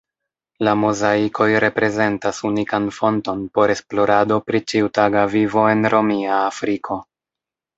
La mozaikoj reprezentas unikan fonton por esplorado pri ĉiutaga vivo en Romia Afriko.